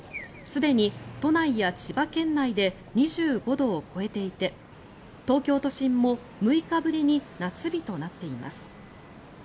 すでに都内や千葉県内で２５度を超えていて東京都心も６日ぶりに夏日となっています。